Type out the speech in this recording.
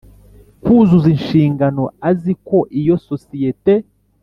Kuzuza Inshingano Azi Ko Iyo Sosiyete